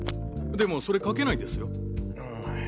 でもそれ書けないですよ。